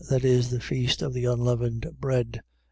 . .That is, the feast of the unleavened bread.